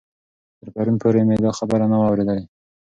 تر پرون پورې مې دا خبر نه و اورېدلی.